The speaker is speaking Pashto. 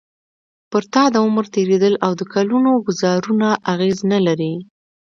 پر تا د عمر تېرېدل او د کلونو ګوزارونه اغېز نه لري.